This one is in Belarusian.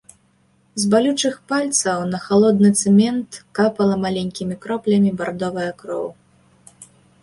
З балючых пальцаў на халодны цэмент капала маленькімі кроплямі бардовая кроў.